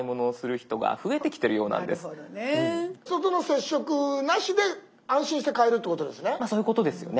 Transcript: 人との接触なしで安心して買えるってことですね。